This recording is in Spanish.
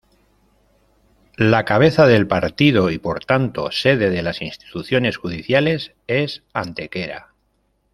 La cabeza de partido y por tanto sede de las instituciones judiciales es Antequera.